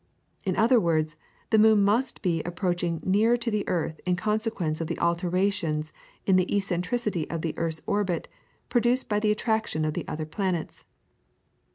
In other words, the moon must be approaching nearer to the earth in consequence of the alterations in the eccentricity of the earth's orbit produced by the attraction of the other planets.